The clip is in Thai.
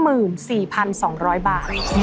๕หมื่น๔พัน๒ร้อยบาท